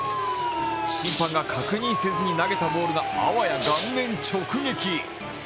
審判が確認せずに投げたボールがあわや顔面直撃。